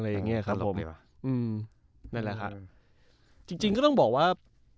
อย่างเงี้ยครับผมอืมนั่นแหละครับจริงจริงก็ต้องบอกว่า